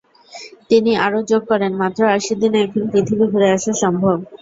তিনি আরও যোগ করেন, মাত্র আশি দিনে এখন পৃথিবী ঘুরে আসা সম্ভব।